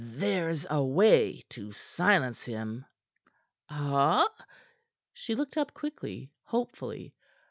"There's a way to silence him." "Ah?" she looked up quickly, hopefully.